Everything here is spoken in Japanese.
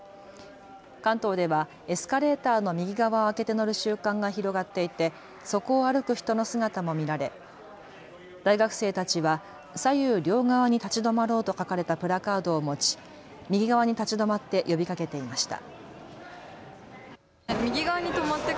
関東ではエスカレーターの右側を空けて乗る習慣が広がっていてそこを歩く人の姿も見られ、大学生たちは左右両側に立ち止まろうと書かれたプラカードを持ち、右側に立ち止まって呼びかけていました。